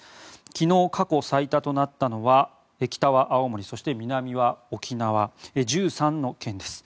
昨日、過去最多となったのは北は青森、そして南は沖縄１３の県です。